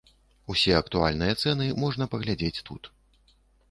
Усе актуальныя цэны можна паглядзець тут.